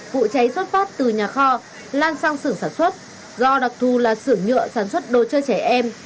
vụ cháy xuất phát từ nhà kho lan sang sưởng sản xuất do đặc thù là xưởng nhựa sản xuất đồ chơi trẻ em